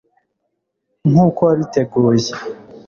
nkuko wabiteguye